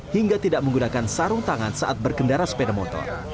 hingga tidak menggunakan sarung tangan saat berkendara sepeda motor